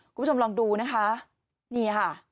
ครูปะชมลองดูนะฮะ